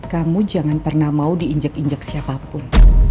kamu jangan pernah mau diinjek injek siapapun